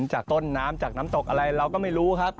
จากต้นน้ำจากน้ำตกอะไรเราก็ไม่รู้ครับ